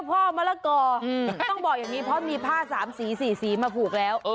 พ่อมะละกอต้องบอกอย่างนี้เพราะมีผ้า๓สี๔สีมาผูกแล้ว